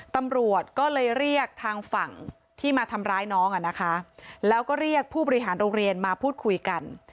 ตำรวจก็เลยเรียกทางฝั่งที่มาทำร้ายน้องอ่ะนะคะแล้วก็เรียกผู้บริหารโรงเรียนมาพูดคุยกัน